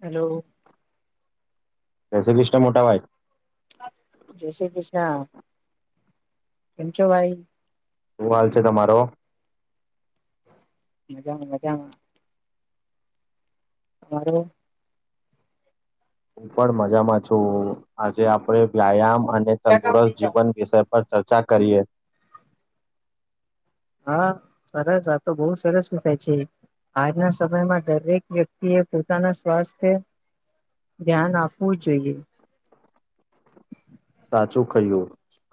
Hello. પસે બીસ, મોટા ભાઈ. જય શ્રી કૃષ્ણ, પંચો ભાઈ. શું હાલ છે, તમારો? મજામાં મજામાં. હરો હું, પણ મજામાં છું, આજે આપડે વ્યાયામ અને તંદુરસ્ત જીવન વિષય પર ચર્ચા કરીએ. હા સરસ આ તો બહુ સરસ વિષય છે. આજના સમયમાં દરેક વ્યક્તિ એ પોતાના સ્વાસ્થ્ય ધ્યાન આપવું જ જોઈએ. સાચું કહું,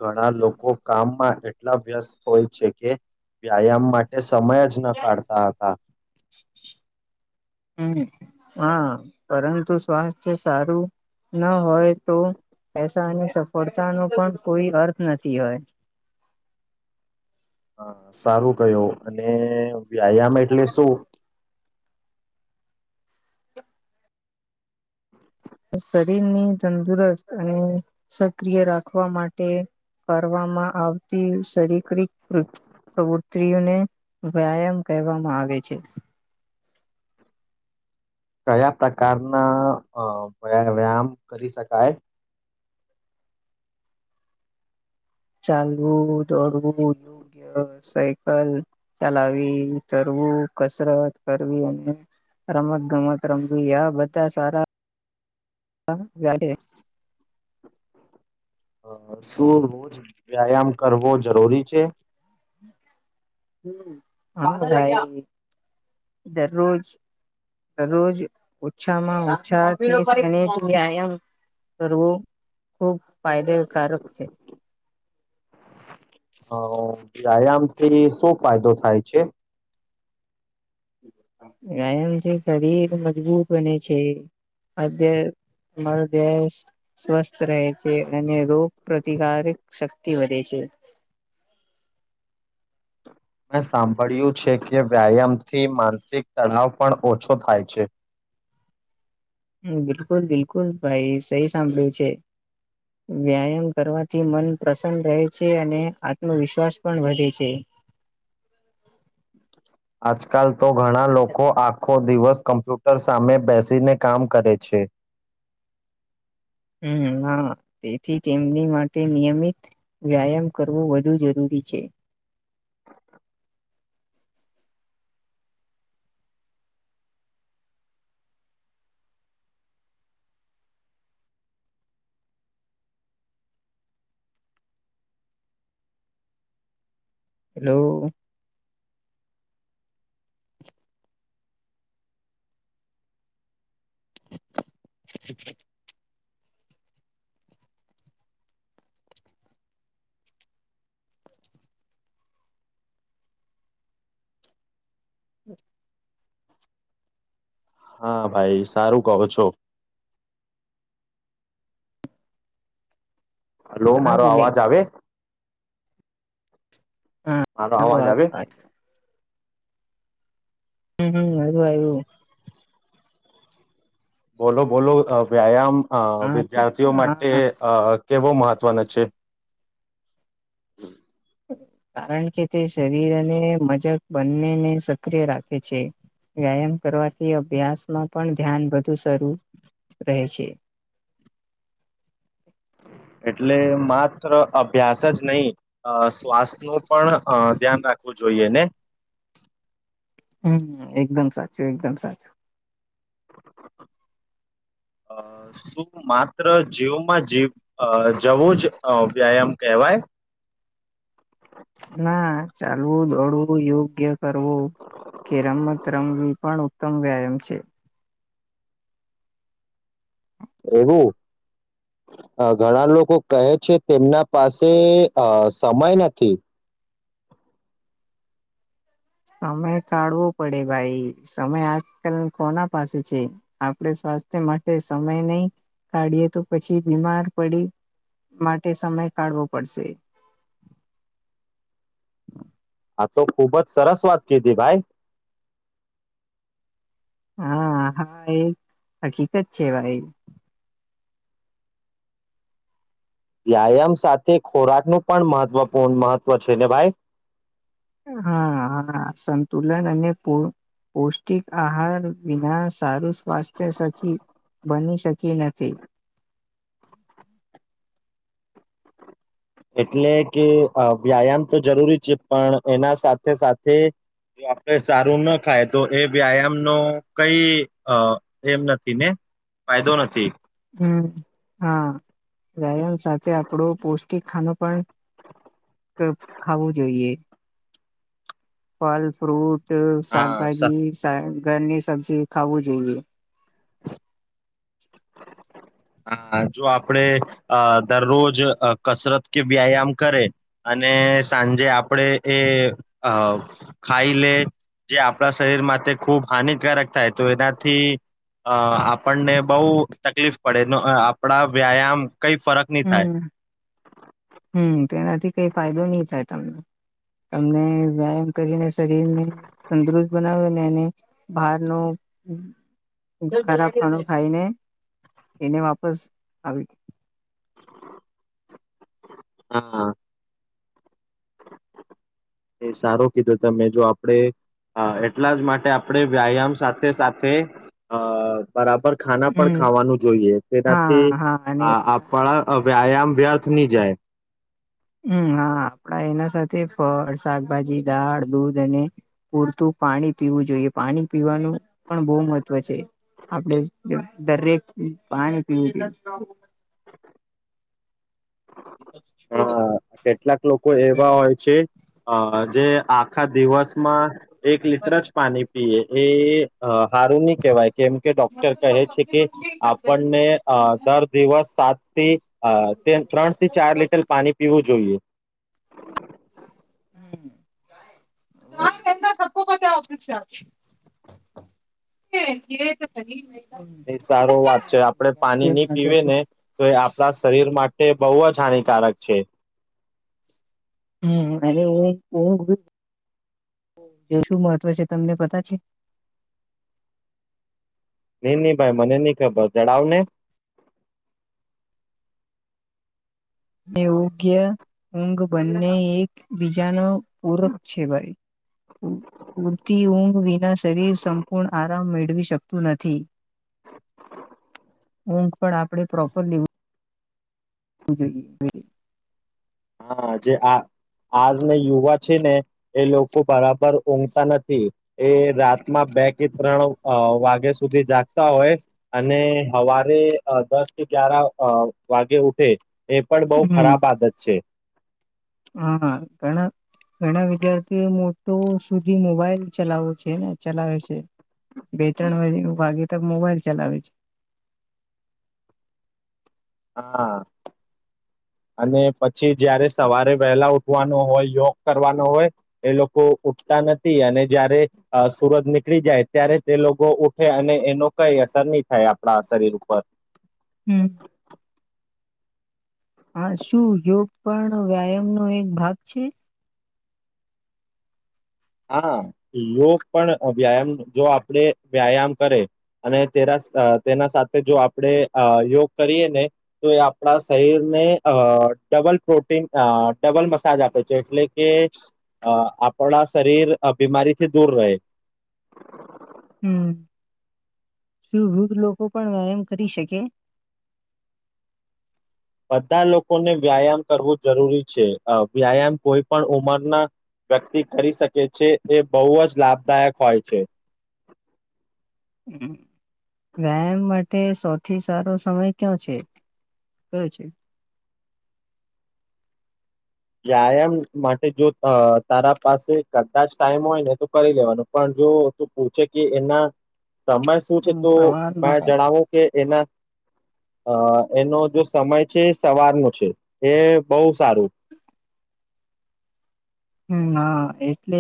ઘણા લોકો કામમાં એટલા વ્યસ્ત હોય છે કે વ્યાયામ માટે સમય જ ન કાઢતા હતા. હમ, હા પરંતુ સ્વાસ્થ્ય સારું ના હોય તો પૈસા અને સફળતા નો પણ કોઈ અર્થ નથી હોય. હા સારું કયો અને વ્યાયામ એટલે શું? શરીરની તંદુરસ્ત અને સક્રિય રાખવા માટે કરવામાં આવતી શારી પ્રવૃતિઓને વ્યાયામ કહેવામાં આવે છે. કયા પ્રકારના વ વ્યાયામ કરી શકાય? ચાલવું દોડવું, યોગ્ય સાયકલ ચલાવી તરવું કસરત કરવી અને રમત ગમત રમ આ બધા સારા [unintelligible] હ ગાડી શું રોજ વ્યાયામ કરવો જરૂરી છે? હ દરરોજ. દરરોજ ઓછામાં ઓછા ગણિત વ્યાયામ કરવું ખુબ ફાયદેકારક છે. હ વ્યાયામ થી શું ફાયદો થાય છે? [inaudible] વ્યાયામ થી શરીર મજબૂત બને છે. આજ મારો દ સ્વસ્થ રહે છે અને રોગ પ્રતિકારક શક્તિ વધે છે. મેં સાંભળ્યું છે કે વ્યાયામથી માનસિક તળાવ પણ ઓછો થાય છે. [inaudible] હ બિલકુલ-બિલકુલ ભાઈ સહી સાંભળ્યું છે. વ્યાયામ કરવાથી મન પ્રસન્ન રહે છે અને આત્મવિશ્વાસ પણ વધે છે. આજકાલ તો ઘણા લોકો આખો ફ દિવસ કમ્પ્યુટર સામે બેસીને કામ કરે છે. હમ હા તેથી તેમની માટે નિયમિત વ્યાયામ કરવો વધુ જરૂરી છે. હેલો. [inaudible] હા ભાઈ સારું કહો છો. હલો હા મારો ચાલે અવાજ આવે? મારો અવાજ હા આવે હ હમ્મ હમ્મ હું આવું. બોલો બોલો વ્યાયામ અ વિદ્યાર્થીઓ હા માટે હા અ કેવો મહત્વનો છે? [inaudible] કારણ કે તે શરીર અને મજક બંનેને સક્રિય રાખે છે. વ્યાયામ કરવાથી અભ્યાસ માં પણ ધ્યાન બધું શરૂ રહે છે. [inaudible] એટલે માત્ર અભ્યાસ જ નહી, શ્વાસ નો પણ અ ધ્યાન રાખું જોઈએ ને હમમ એકદમ સાચું એકદમ સાચું. [inaudible] અ શું માત્ર જીવમાં જીવ જવું જ વ્યાયામ કહેવાય? [inaudible] ના ચાલવું, દોડવું યોગ્ય કરવુ કે રમત રમવી એ પણ ઉત્તમ વ્યાયામ છે. એવું ઘણા લોકો કહે છે. તેમના પાસે અ સમય નથી. [inaudible] સમય કાઢવો પડે ભાઈ સમય આજકાલ કોના પાસે છે. આપડે માટે સમય નહી કાઢએ તો પછી બીમાર પડી માટે સમય કાઢવો પડશે. [inaudible] તો ખુબ જ સરસ વાત કીધી ભાઈ. હા હા એ હકીકત છે ભાઈ. વ્યાયામ સાથે ખોરાકનું પણ મહત્વપૂર્ણ મહત્વ છે ને ભાઈ? હા હા સંતુલન અને પૂ પૌષ્ટિક આહાર વિના સારું સ્વાસ્થ્ય સખી બની શકી નથી. એટલે કે અ વ્યાયામ તો જરૂરી છે. પણ એના સાથે સાથે જો આપડે સારું ના ખાયે તો એ વ્યાયામ નો કઈ એમ નથી ને? ફાયદો નથી. હમમ હા વ્યાયામ સાથે આપણું પૌષ્ટિક ખાનું પણ તો ખાવું જોઈએ. ફલ, ફ્રૂટ, હા શાકભાજી, સા ઘરની સબ્જી ખાવું જોઈએ. હા જો આપડે દરરોજ કસરત કે વ્યાયામ કરે અને અને સાંજે આપડે એ અ ખાઈ લે જે આપણા શરીર માટે ખૂબ હાનિકારક થાય તો એનાથી અ આપણને બહુ તકલીફ પડે આપડા વ્યાયામ કઈ ફરક નહી હુ થાય હુ તેનાથી કઈ ફાયદો નહી થાય તમને તમને વ્યાયામ કરીને શરીરને તંદુરસ્ત બનાવયો ને એને બારનું હમમ ખરાબ ખરુ ખાઈને એને વાપસ આવી હા. એ સારો કીધો તમે જો આપડે હા એટલા જ માટે આપણે વ્યાયામ સાથે સાથે અ બરાબર ખાના પણ હમ ખાવાનું જોઈએ હા હા અને તેનાથીઅ એના આપણા વ્યાયામ વ્યર્થ ની જાય. હમમ હા આપડા એના સાથે ફળ, શાકભાજી, દાળ, દૂધ અને પૂરતું પાણી પીવું જોઈએ. પાણી પીવાનું પણ બો મહત્વ છે. આપડે અ દરેક પાણી પીવું જોઈએ. [inaudible] હા કેટલાક લોકો એવા હોય છે અ જે આખા દિવસમાં એક લીટર જ પાણી પી એ હારૂ ની કેહવાય. કેમ કે ડોક્ટર કહે છે કે આપણને અ દર દિવસ સાત થી ત્રણ થી ચાર લીટર પાણી પીવું જોઈએ. હમમ. [unintelligible] એ સારો વાત છે આપડે પાણી નહી પીવે ને તો એ આપડા શરીર માટે બવ જ હાનિકારક છે. હમ અને [unintelligible] જે શું મહત્વ છે તમને પતા છે ની ની ભાઈ મને ની ખબર જણાવને એ ઓગ્ય ઊઘ બંને એક બીજાનો. પૂરક છે ભાઈ પૂરતી ઊંઘ વિનાશ શરીર સંપૂર્ણ આરામ મેળવી શકતું નથી ઊંઘ પણ આપડે પ્રોપર લીવું જોઈએ. હા જે આ આજના યુવા છે ને એ લોકો બરાબર ઊંઘતા નથી એ રાતના બે કે ત્રણ અ વાગ્યા સુધી જાગતા હોય અને હવારે દસ ગ્યારા અ વાગે ઉઠે એ પણ બહુ હમ. ખરાબ આદત છે. હા ઘણા ઘણા વિદ્યાર્થી એવુ સુધી મોબાઈલ ચલાવો છે ને ચલાવે છે બે ત્રણ વાગે ને વાગે ત મોબાઈલ ચલાવે છે. હા. અને પછી જયારે સવારે વહેલા ઉઠવાનો હોય યોગ કરવાનો હોય એ લોકો ઉઠતા નથી અને જયારે સુરજ નીકળી જાય ત્યારે તે લોકો ઉઠે અને એનો કઈ સર નહી થાય આપડા શરીર ઉપર. હમ. હા શું યોગ પણ વ્યાયામ નો એક ભાગ છે? હા યોગ પણ વ્યાયામ જો આપડે વ્યાયામ કરે અને તેરા તેના સાથે જો આપડે અ યોગ કરીએ ને તો એ આપડા શરીરને અ ડબલ પ્રોટીન અ ડબલ મસાજ આપે છે એટલે કે અ આપડા શરીર બીમારીથી દૂર રહે. હમ. શું વૃદ્વ લોકો પણ વ્યાયામ કરી શકે? બધા લોકોને વ્યાયામ કરવું જરૂરી છે અ વ્યાયામ કોઈ પણ ઉંમરના વ્યક્તિ કરી શકે છે એ બવ જ લાભદાયક હોય છે. હમ. વ્યાયામ માટે સૌથી સારો સમય કયો છે કયો છે? [inaudible] વ્યાયામ માટે જોઅ તારા પાસે કદાચ ટાઈમ હોય ને તો કરી લેવાનો પણ જો તું પૂછે કે એના સમય શું છે હમ તો સવારનો મે ટાઈમ. જણાવો કે એના અ એનો જો સમય છે એ સવારનો છે એ બવ હમ હા એટલે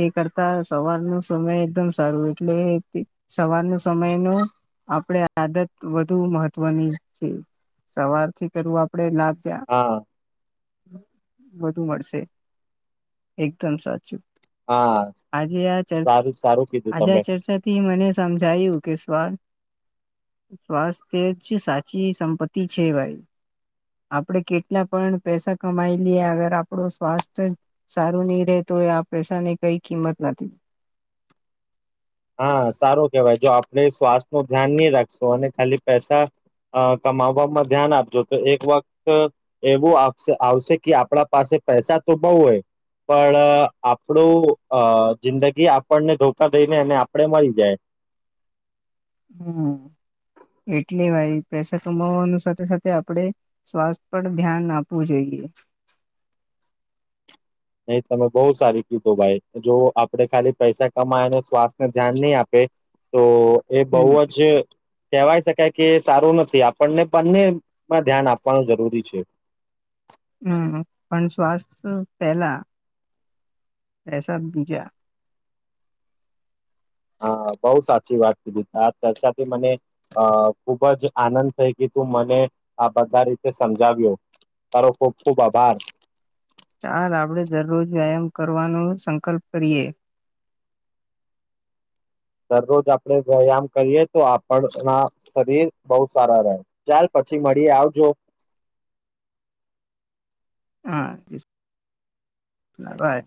એ કરતા સવાર ન સમય એકદમ સારું એટલે સવાર નો સમયનું આપડે આદત વધુ મહત્વની છે. સવાર થી કરવું આપડે લા હા. વધુ મળશે એકદમ સાચું. હા સારું સારું. કીધું આજા તમે ચર્ચા થી મને સમજાયું કે સ્વાલ સ્વાસ્થ્ય જ સાચી સંપત્તિ છે ભાઈ. આપડે કેટલા પણ પૈસા કમાઈ લઈએ અગર આપડો સ્વાસ્થ સારું નહી રે તો આ પૈસાની કઈ કિંમત નથી. હા સારો કેવાય જો આપડ શ્વાસ નું ધ્યાન નહી રાખશો અને ખાલી પૈસા અ કમાવવામાં ધ્યાન આપજો તો એક વક્ત એવું આવશે કે આપડા પાસે પૈસા તો બઉ હોય પણ આપણું અ જિંદગી આપણને ધોકા દઈને એને કપડે મારી જાય હમ. એટલે ભાઈ પૈસા કમાવવાનું સાથે સાથે આપણેે સ્વાસ્થ પર ધ્યાન આપવું જોઈએ. એ. [inaudible] અહી તમે બહુ સારી કીધું ભાઈ જો આપણે ખાલી પૈસા કમાય અને સ્વાસ્થને ધ્યાન નહી આપે. તો એ બહુ હમ જ. કવાય શકાય કે સારું નથી આપણને બંનેમાં ધ્યાન આપવાનું જરૂરી છે. [inaudible] હું હું પણ શ્વાસ પહેલા એસા બીજયા આ બહુ સાચી વાત કીધી આ ચર્ચા થી મને અ ખુબ જ આનંદ થઈ ગી. તું મને આ બધા રીતે સમજાવ્યો તારો ખૂબ ખૂબ આભાર. ચાલ આપણે દરરોજ વ્યાયામ કરવાનો સંકલ્પ કરીએ. [inaudible] દરરોજ આપડે વ્યાયામ કરીએ તો આપણ ના શરીર બહુ સારા રહે ચાર પછ પછી મળી આવજો. હા બાય.